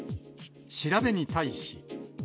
調べに対し。